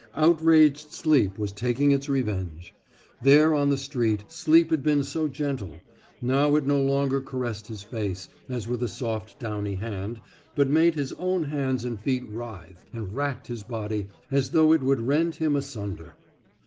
Outraged sleep was taking its revenge. There on the street, sleep had been so gentle; now it no longer caressed his face, as with a soft downy hand, but made his own hands and feet writhe, and racked his body as though it would rend him asunder.